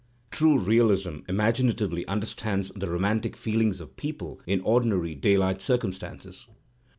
True realism imaginatively understands the romantic feelings of people in ordinary daylight circumstances.